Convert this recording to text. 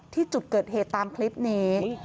ที่จุดเกิดเหตุตามคลิปนี้